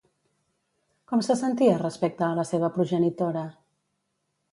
Com se sentia respecte a la seva progenitora?